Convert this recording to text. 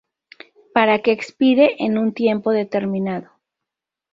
para que expire en un tiempo determinado